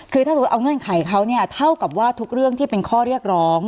คือถ้าสมมุติเอาเงื่อนไขเขาเนี่ยเท่ากับว่าทุกเรื่องที่เป็นข้อเรียกร้อง